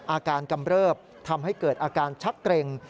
อาการกำเริบทำให้เกิดอาการชักเตรง